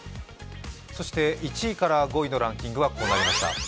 そして、１位から５位のランキングはこうなりました。